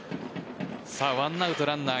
１アウトランナー